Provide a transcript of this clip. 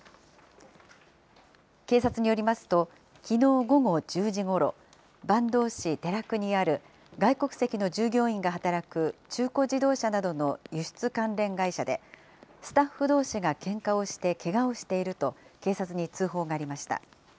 警察によりますと、きのう午後１０時ごろ、坂東市寺久にある外国籍の従業員が働く、中古自動車などの輸出関連会社で、スタッフどうしがけんかをしてけがをしていると警察に通報がありました。